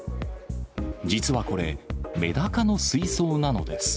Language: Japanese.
実はこれ、メダカの水槽なのです。